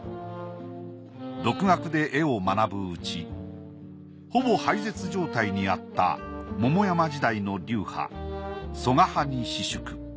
独学で絵を学ぶうちほぼ廃絶状態にあった桃山時代の流派曾我派に私淑。